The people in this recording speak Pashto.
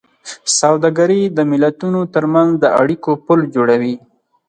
سوداګري د ملتونو ترمنځ د اړیکو پُل جوړوي.